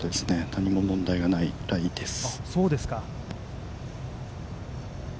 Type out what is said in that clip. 何も問題ないライです。